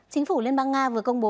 chính phủ liên bang nga vừa công bố